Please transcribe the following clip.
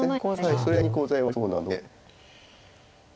それなりにコウ材はありそうなので。